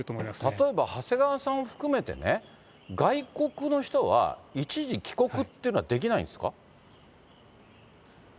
例えば長谷川さん含めてね、外国の人は一時帰国というのはできないんですか？